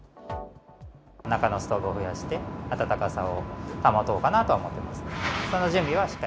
中のストーブを増やして、暖かさを保とうかなとは思ってます。